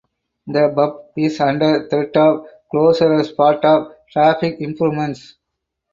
The pub is under threat of closure as part of traffic improvements.